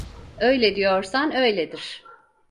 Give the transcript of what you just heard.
Öyle diyorsan öyledir.